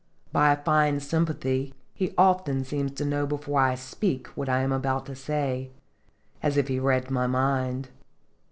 By a fine sympathy he often seems to know before I speak what I am about to say, as if he read my mind.